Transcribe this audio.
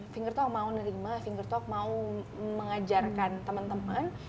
finger talk mau nerima finger talk mau mengajarkan teman teman